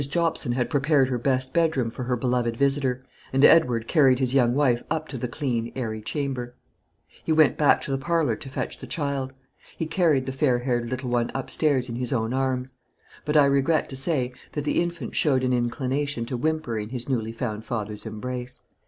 Jobson had prepared her best bedroom for her beloved visitor, and Edward carried his young wife up to the clean, airy chamber. He went back to the parlour to fetch the child. He carried the fair haired little one up stairs in his own arms; but I regret to say that the infant showed an inclination to whimper in his newly found father's embrace.